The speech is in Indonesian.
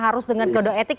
harus dengan kode etik